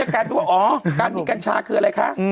อ๋อการมีกัญชาคืออะไรคะ